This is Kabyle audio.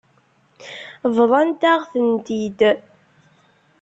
Bḍant-aɣ-tent-id.